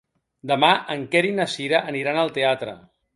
Demà en Quer i na Cira aniran al teatre.